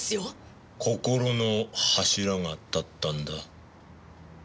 心の柱が立ったんだ。